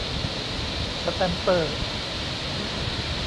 สแตมเปอร์